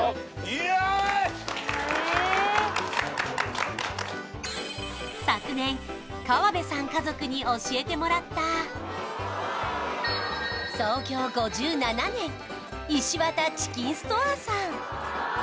イエイ昨年川邉さん家族に教えてもらった創業５７年石渡チキンストアーさん